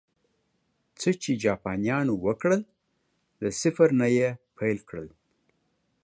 څه چې جاپانيانو وکړل، له صفر نه یې پیل کړل